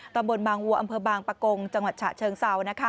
ตำบลบางวัวอำเภอบางปะกงจังหวัดฉะเชิงเซา